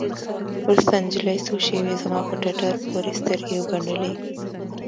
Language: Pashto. وروسته نجلۍ څو شېبې زما په ټټر پورې سترګې وگنډلې.